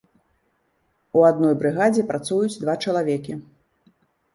У адной брыгадзе працуюць два чалавекі.